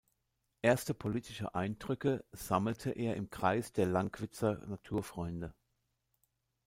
Erste politische Eindrücke sammelte er im Kreis der Lankwitzer „Naturfreunde“.